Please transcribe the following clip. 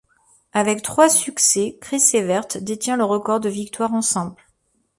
Avec trois succès, Chris Evert détient le record de victoires en simple.